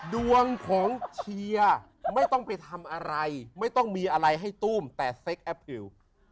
ดวงของเชียร์ไม่ต้องไปทำอะไรไม่ต้องมีอะไรให้ตู้มแต่เซ็กแอปพิว